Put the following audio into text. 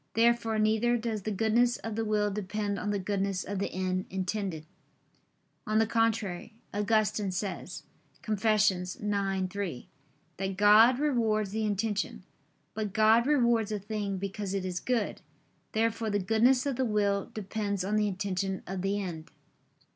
Therefore neither does the goodness of the will depend on the goodness of the end intended. On the contrary, Augustine says (Confess. ix, 3) that God rewards the intention. But God rewards a thing because it is good. Therefore the goodness of the will depends on the intention of the end.